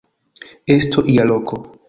Estos ia loko.